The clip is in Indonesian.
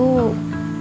beneran suka sama karama